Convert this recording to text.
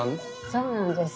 そうなんです。